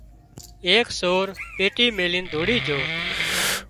ايڪ سور پيٽي ميلين ڌوڙي جھو